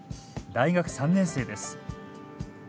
大学３年生です。